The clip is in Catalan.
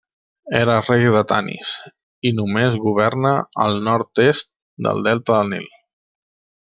Era rei de Tanis i només governa al nord-est del delta del Nil.